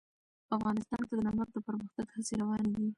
افغانستان کې د نمک د پرمختګ هڅې روانې دي.